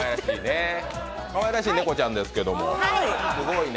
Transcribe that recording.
かわいらしい猫ちゃんですけども。